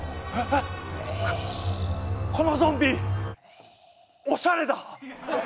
こっこのゾンビおしゃれだ！